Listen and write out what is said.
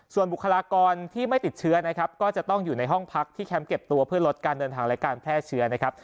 ส่วนบุคลากรที่ไม่ติดเชื้อนะครับก็จะต้องอยู่ในห้องพักที่แคมป์เก็บตัวเพื่อลดการเดินทางและการแพร่เชื้อนะครับ